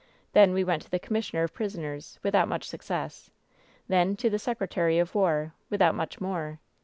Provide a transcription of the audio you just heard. Then we went to the commissioner of prisoners, without much success. Then to the secretary of war, without much more.